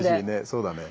そうだね。